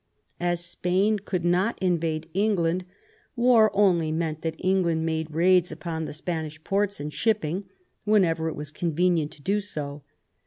As Spain :: could not invade England, war only meant that 2; England made raids upon the Spanish ports and ]i shipping whenever it was convenient to do so.